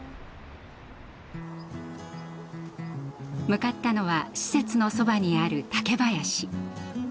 向かったのは施設のそばにある竹林。